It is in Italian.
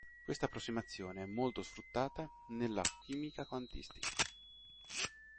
Questa approssimazione è molto sfruttata nella chimica quantistica.